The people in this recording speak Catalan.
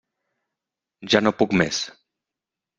Ja no puc més.